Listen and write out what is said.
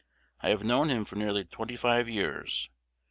I have known him for nearly twenty five years.